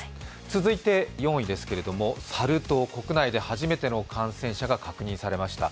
続いて４位ですけれどもサル痘、国内で初めての感染者が確認されました。